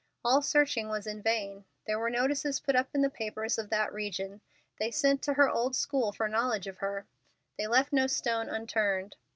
All searching was in vain. There were notices put in the papers of that region. They sent to her old school for knowledge of her; they left no stone unturned.